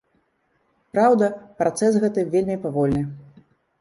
Праўда, працэс гэты вельмі павольны.